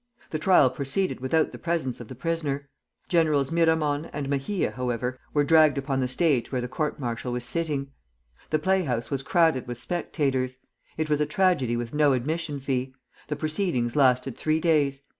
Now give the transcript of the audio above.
The trial proceeded without the presence of the prisoner. Generals Miramon and Mejia, however, were dragged upon the stage where the court martial was sitting. The play house was crowded with spectators. It was a tragedy with no admission fee. The proceedings lasted three days.